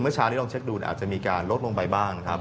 เช้านี้ลองเช็คดูอาจจะมีการลดลงไปบ้างนะครับ